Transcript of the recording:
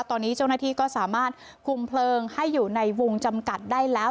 ตอนนี้เจ้าหน้าที่ก็สามารถคุมเพลิงให้อยู่ในวงจำกัดได้แล้ว